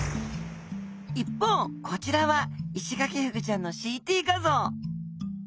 一方こちらはイシガキフグちゃんのＣＴ画像。